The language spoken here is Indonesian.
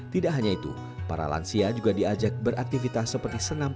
tidak hanya itu para lansia juga diajak beraktivitas seperti senam